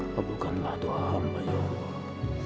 kebukanlah doa hamba ya allah